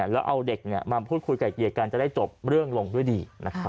แล้วเอาเด็กมาพูดคุยไก่เกลียดกันจะได้จบเรื่องลงด้วยดี